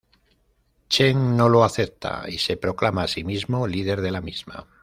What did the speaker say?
Chen no lo acepta y se proclama a sí mismo líder de la misma.